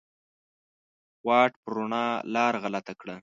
واټ په روڼا لار غلطه کړه